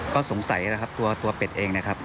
ก็สงสัยนะครับตัวเป็ดเองนะครับ